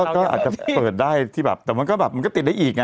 ก็อาจจะเปิดได้ที่แบบแต่มันก็แบบมันก็ติดได้อีกไง